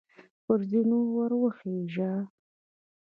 پر زینو وروخیژه !